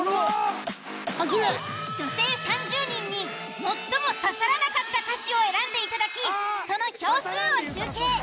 女性３０人に最も刺さらなかった歌詞を選んでいただきその票数を集計。